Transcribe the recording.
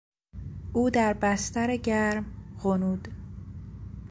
او در بستر گرم غنود.